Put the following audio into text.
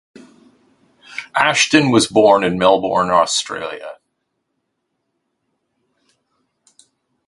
Ashton was born in Melbourne, Australia.